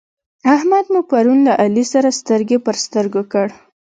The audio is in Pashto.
احمد مو پرون له علي سره سترګې پر سترګو کړ.